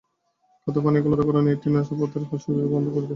খাদ্য ও পানীয় গলাধঃকরণের সময় এটি নাসাপথের পশ্চাৎপথ বন্ধ করে দেয়।